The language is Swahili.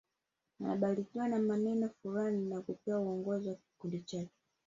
Anabarikiwa na maneno fulani na kupewa uongozi wa kikundi chake